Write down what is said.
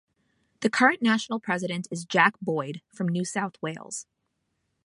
The current National President is Jack Boyd, from New South Wales.